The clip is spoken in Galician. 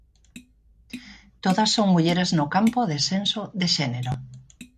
Todas son mulleres no campo de senso de xénero.